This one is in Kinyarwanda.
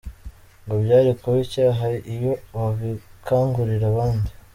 Ngo byari kuba icyaha iyo babikangurira abandi.